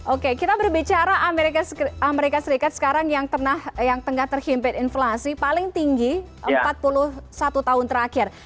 oke kita berbicara amerika serikat sekarang yang tengah terhimpit inflasi paling tinggi empat puluh satu tahun terakhir